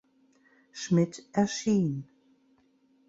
Schmid erschien.